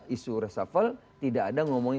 isu resafel tidak ada ngomongin